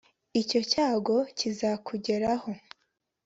icyo cyago kizakugeraho,